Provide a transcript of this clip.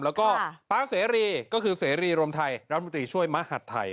แล้วก็ป๊าเสรีก็คือเสรีรวมไทยรัฐมนตรีช่วยมหัฐไทย